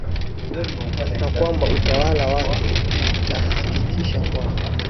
na kwamba utawala wake utahakikisha kwamba